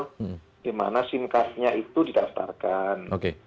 operator dimana sim cardnya itu didaftarkan